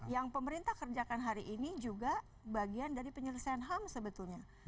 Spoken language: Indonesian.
yang pemerintah kerjakan hari ini juga bagian dari penyelesaian ham sebetulnya